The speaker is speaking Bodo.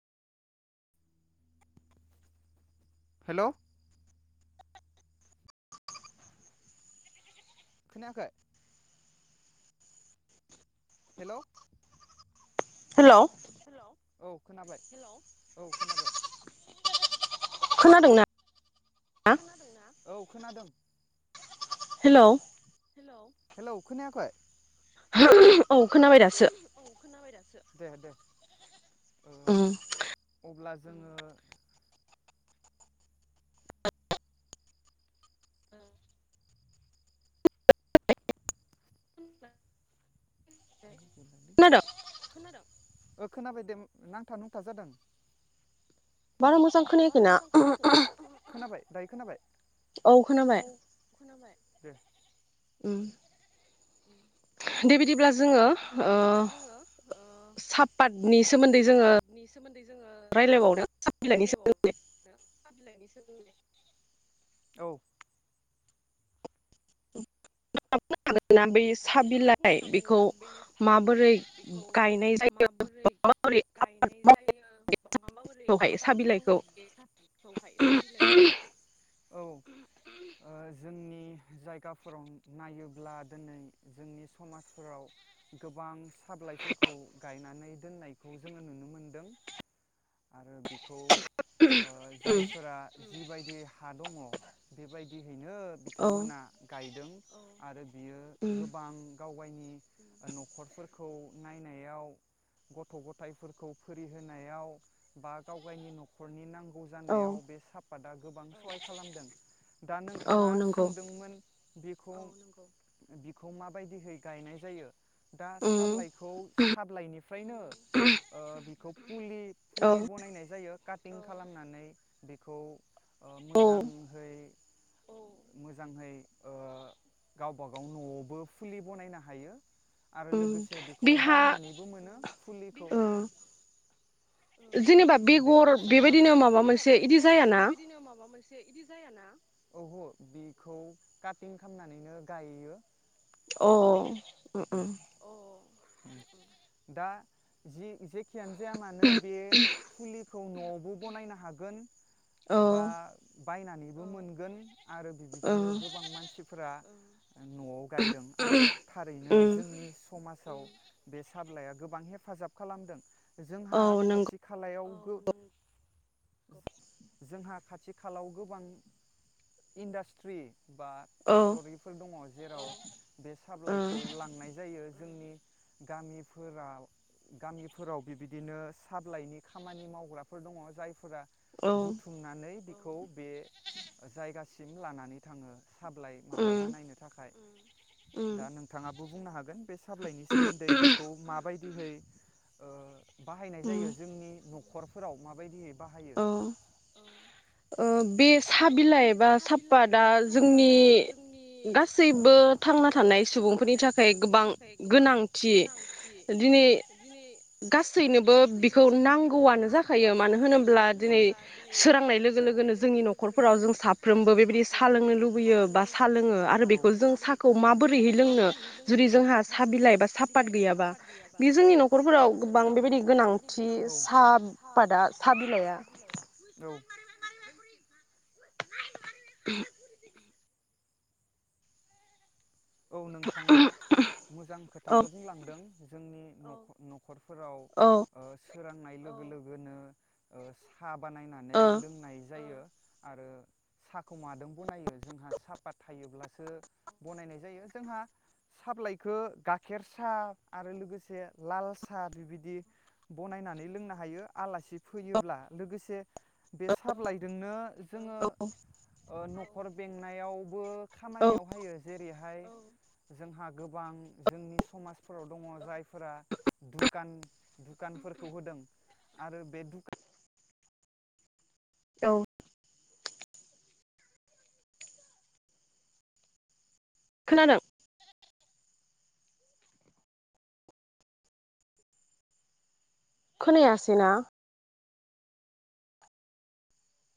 हेलौ खोनायाखै हेलौ हेलौ औ खोनाबाय औ खोनाबाय खोनादों ना? औ खोनादों। हेलौ हेलौ खोनायाखय? औ खोनाबाय दासो दे दे ओ अब्ला जोङो ओ [inaudible] खोनादो? ओ खोनाबाय दे नांथा नुंथा जादों। बारा मोजां खोनायाखैना? दायो खोनाबाय? औ खोनाबाय। दे उम [inaudible] बे बिदिब्ला दे बिदिब्ला जोङो ओ सापातनि सोमोन्दै जोङो रायलायबावनो साहा बिलाइनि सोमोन्दै। औ [unintelligible] नोंथाङा बुंनो हागोन ना बै सा बिलाइ बेखौ माबोरै गायनाय जायो बा मा माबोरै आबाद [unintelligible] सा बिलाइखौ औ ओ जोंनि जायगाफोराव नायोब्ला दिनै जोंनि समाजफोराव गोबां साबलाइफोरखौ गायनानै दोननायखौ जोङो नुनो मोनदों आरो बि खौ ओ जायफोरा जिबाय बे हा दङ बेबायदि नो बिथांमोना गायदों औ आरो बियो गोबां गाव गायनि न'खरफोरखौ नायनायाव गथ' गथाइफोरखौ फोरि होनायाव बा गाव गायनि न'खरनि नांगौ नांगौ जानायाव बे साफादा गोबां सहाय खालामदों दा नोंथाङा सोंदोंमोन बेखौ औ नंगौ। माबायदिहै गायनाय जायो? दा साब्लाइखौ साब्लाइनिफ्रायनो ओं [inaudible] उम फुलि फुलि बनायनाय जायो। काटिं खालामनानै बेखौ ओं मोजांहै मोजांहै ओ गावबा गाव न'आव बो फुलि बनायनो हायो। आरो लोगोसे बेखौ बायनानैबो मोनो फुलिखौ बिहा औ औ दे सोंनो हागोन जेनेबा बेगर बेबायदिनो माबा मोनसे इदि जायाना? औहो बिखौ काटिं खामनानैनो गायो। अ उम उम उम दा जि-जे खियानो जाया मानो बे फुलि खौ न'आवबो बनायनो हागोन बा बायनानैबो मोनगोन। आरो बिबिदिनो गोबां मानसिफोरा न'आव गायदों आरो था [unintelligible] जोंनि स समाजाव बे साब्लाया गोबां हेफाजाब खालामदों। जोंहा खाथि खालायाव [unintelligible] [unintelligible] जोंहा खाथि खालाव गोबां इन्डास्ट्रि बा फेक्ट'रिफोर दङ औ जेराव बे साब्लाइ खौ लांनाय जायो। जोंनि गामिफोराव गामिफोराव बिबिदिनो साब्लाइनि खामानि मावग्राफोर दङ जायफोरा बुथुमनानै बि खौ बे जायगा सिम लानानै थाङो। साब्लाइ माबा बानायनायनो थाखाय दा नों [unintelligible] बुंनो हागोन बे साफ्लाइनि सोमोन्दै बेखौ माबाय है ओ बाहायनाय जायो जोंनि न' खरफोराव माबायदियै बाहायो? सुबुंफोरनि थाखाय गोबां गोनांथि दिनै गासैनोबो बिखौ नांगौआनो जाखायो मानो होनो ब्ला दिनै सोरांनाय लोगो लोगोनो जोंनि न'खरफोराव जों साफ्रोमबो बेबायदि सा लोंनो लुबैयो बा सा लोङो आरो बेखौ जों साखौ माबोरै है लोंनो जुदि जोंहा साहा बिलाइ एबा साहापाथ गैयाबा बे जोंनि न'खरफोराव गोबां बेबायदि गोनांथि सापादा औ [unintelligible] औ नोंथाङा मोजां खोथाखौ बुंलांदों। जोंनि न'खर न' खरफोराव ओस सोरांनाय लोगो लोगोनो ओ सा सा बानायनानै लोंनाय जायो। आरो साखौ मादों बनायो जोंहा सापाथ थायोब्लासो बनायनाय जायो जोंहा साफ्लाइखो गाखेर सा आरो लोगोसे लाल सा बिबायदि बनायनानै लोंनो हायो। आलासि फैयोब्ला लोगोसे बे साबलायदोंनो जोङो ओ न' खर बेंनायावबो खामानियाव हायो। जेरै हाय जोंहा गोबां जोंनि समाजफोराव दङ जायफोरा दुखान दुखानफोरखौ होदों आरो बे दुख औ खोनादों? खोनायासैना